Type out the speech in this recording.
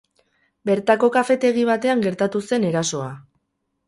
Bertako kafetegi batean gertatu zen erasoa.